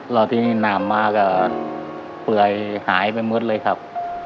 แล้วที่นำมาแล้วคือเหลือไหลหายไปหมึดเลยครับ